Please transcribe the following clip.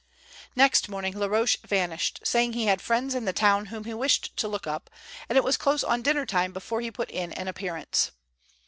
Next morning Laroche vanished, saying he had friends in the town whom he wished to look up, and it was close on dinner time before he put in an appearance.